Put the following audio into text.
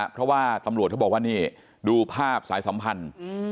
เพราะว่าตำรวจเขาบอกว่านี่ดูภาพสายสัมพันธ์